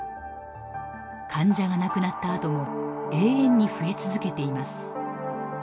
患者が亡くなった後も永遠に増え続けています。